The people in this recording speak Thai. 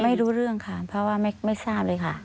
ไม่รู้เรื่องค่ะเพราะว่าไม่ทราบเลยค่ะ